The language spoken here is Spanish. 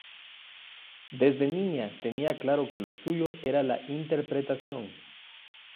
Desde niña tenía claro que lo suyo era la interpretación.